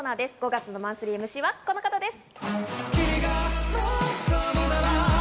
５月のマンスリーＭＣはこの方です。